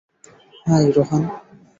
High, Rohan.